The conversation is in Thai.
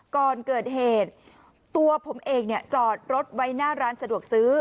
ก่อนเกิดเหตุตัวผมเองจอดรถไว้หน้าร้านสะดวกซื้อ